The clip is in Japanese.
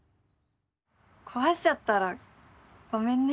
壊しちゃったらごめんね。